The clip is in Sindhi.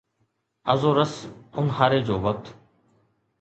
ازورس اونهاري جو وقت